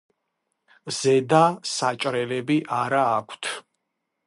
ზედა საჭრელები არა აქვთ.